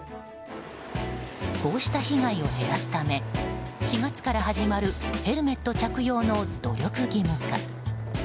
こうした被害を減らすため４月から始まるヘルメット着用の努力義務化。